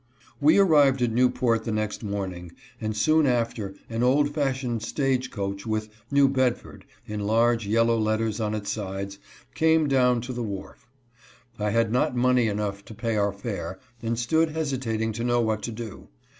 We arrived at Newport the next morning, and soon after an old fashioned stage coach with " New Bedford " in large, yellow letters on its sides, came down to the wharf. I had not money enough to pay our fare and stood hesi tating to know what to do.